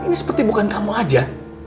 ini seperti bukan kamu aja